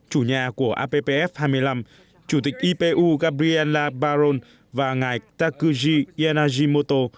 chủ nhà của appf hai mươi năm chủ tịch ipu gabriela baron và ngài takuji ienajimoto